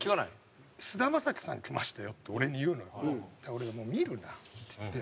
俺はもう見るなっつって。